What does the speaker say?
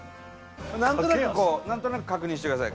何となくこう何となく確認してください